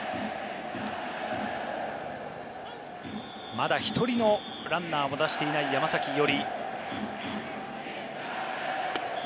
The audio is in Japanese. まだ１人のランナーも出していない山崎伊織。